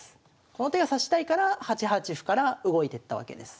この手が指したいから８八歩から動いてったわけです。